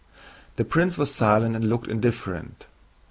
The prince was silent and looked indifferent.